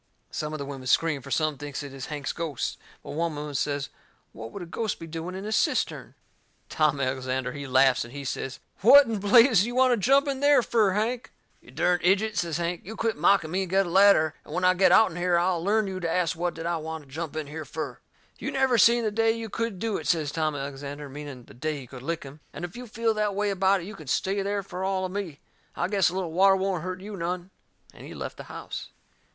Some of the women scream, for some thinks it is Hank's ghost. But one woman says what would a ghost be doing in a cistern? Tom Alexander, he laughs and he says: "What in blazes you want to jump in there fur, Hank?" "You dern ijut!" says Hank, "you quit mocking me and get a ladder, and when I get out'n here I'll learn you to ast what did I want to jump in here fur!" "You never seen the day you could do it," says Tom Alexander, meaning the day he could lick him. "And if you feel that way about it you can stay there fur all of me. I guess a little water won't hurt you none." And he left the house.